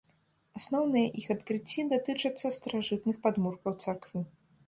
Асноўныя іх адкрыцці датычацца старажытных падмуркаў царквы.